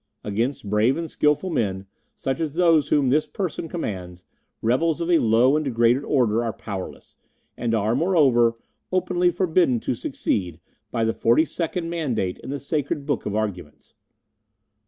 Against brave and skilful men, such as those whom this person commands, rebels of a low and degraded order are powerless, and are, moreover, openly forbidden to succeed by the Forty second Mandate in the Sacred Book of Arguments.